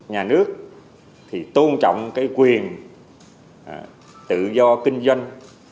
nhà nước thì tôn trọng cái quyền tự do kinh doanh